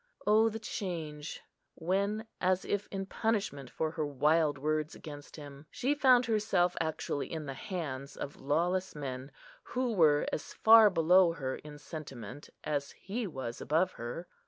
O the change, when, as if in punishment for her wild words against him, she found herself actually in the hands of lawless men, who were as far below her in sentiment as he was above her!